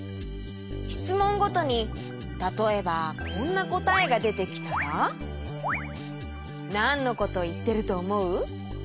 しつもんごとにたとえばこんなこたえがでてきたらなんのこといってるとおもう？